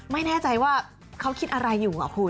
ไม่แน่ใจว่าเขาคิดอะไรอยู่คุณ